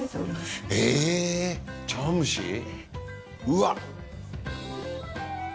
うわっ！